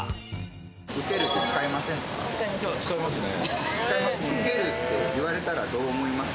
使いますね。